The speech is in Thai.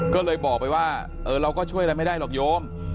ก็เลยบอกไปว่าเราก็ช่วยอะไรไม่ได้หรอกโยม